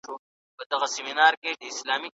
واکمنان کولای سي چي د هېواد برخلیک بدل کړي.